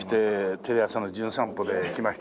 テレ朝の『じゅん散歩』で来ました